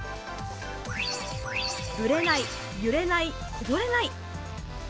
ブレない、揺れない、こぼれない。